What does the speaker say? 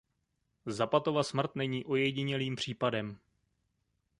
Zapatova smrt není ojedinělým případem.